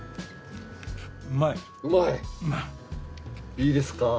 いいですか。